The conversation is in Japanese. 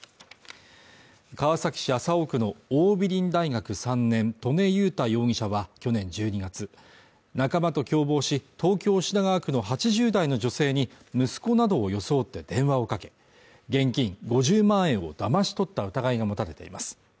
川崎市麻生区の桜美林大学３年刀祢雄太容疑者は去年１２月仲間と共謀し、東京品川区の８０代の女性に息子などを装って電話をかけ現金５０万円をだまし取った疑いが持たれています。